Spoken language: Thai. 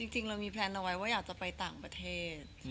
จริงเรามีแพลนเอาไว้ว่าอยากจะไปต่างประเทศ